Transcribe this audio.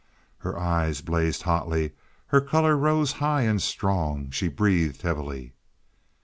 Her eyes blazed hotly, her color rose high and strong. She breathed heavily.